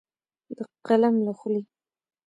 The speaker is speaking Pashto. د قلم له خولې